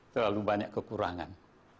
terlalu banyak kekurangan